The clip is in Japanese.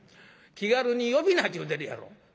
気軽に呼ぶなっちゅうてるやろ」。